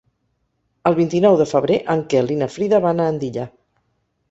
El vint-i-nou de febrer en Quel i na Frida van a Andilla.